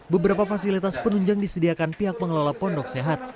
beberapa fasilitas penunjang disediakan pihak pengelola pondok sehat